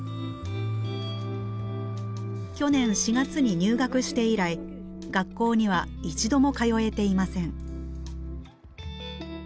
去年４月に入学して以来学校には一度も通えていません。